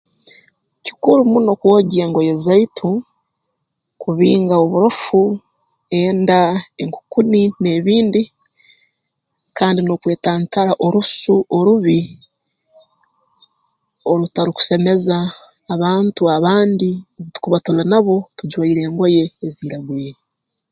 Kikuru muno kwogya engoye zaitu kubinga oburofu enda enkukuni n'ebindi kandi n'okwetantara orusu orubi orutarukusemeza abantu abandi abatukuba tuli nabo tujwaire engoye eziiragwire